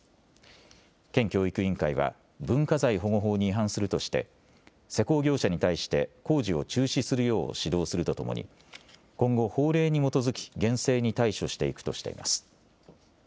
県教育委員会は文化財保護法に違反するとして施工業者に対して工事を中止するよう指導するとともに今後、法令に基づき厳正に対処していくとしています。